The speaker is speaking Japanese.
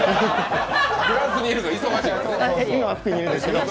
フランスにいるから忙しい。